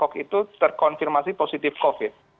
tiongkok itu terkonfirmasi positif covid